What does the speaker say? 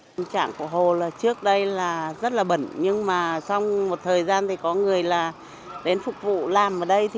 tình trạng của hồ là trước đây là rất là bẩn nhưng mà sau một thời gian thì có người là đến phục vụ làm ở đây